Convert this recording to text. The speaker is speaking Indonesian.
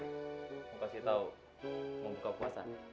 mau kasih tau mau buka puasa